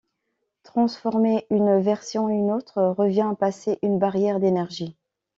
Transformer une version en une autre revient à passer une barrière d'énergie.